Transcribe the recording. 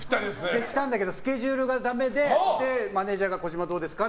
来たんだけどスケジュールがだめでマネジャーが児嶋どうですか？